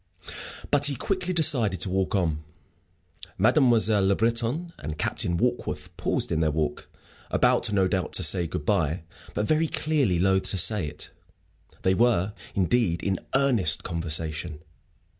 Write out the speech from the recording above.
But he quickly decided to walk on. Mademoiselle Le Breton and Captain Warkworth paused in their walk, about no doubt to say good bye, but, very clearly, loath to say it. They were, indeed, in earnest conversation.